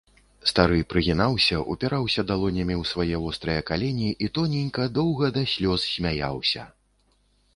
Стары прыгінаўся, упіраўся далонямі ў свае вострыя калені і тоненька, доўга да слёз смяяўся.